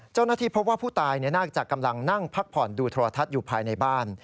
เจ้าหน้าที่พบว่าผู้ตายน่าจะกำลังนั่งพักผ่อนดูโทรทัศน์อยู่ภายในบ้าน